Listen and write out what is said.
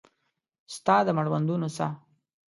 ستا د مړوندونو ساه